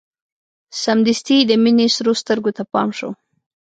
سمدستي يې د مينې سرو سترګو ته پام شو.